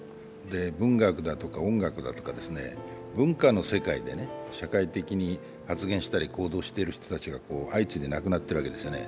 文学だとか音楽だとか文化の世界で社会的に発言したり行動したりしている人が相次いで亡くなっているわけですよね。